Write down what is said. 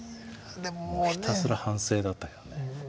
もうひたすら反省だったけどね。